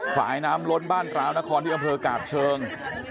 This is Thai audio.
สายน้ำล้นบ้านกลาวนครที่บรรเวอร์กาบเชิง